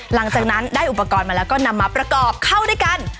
หลังจากนั้นได้อุปกรณ์มาแล้วก็นำมาประกอบเข้าด้วยกัน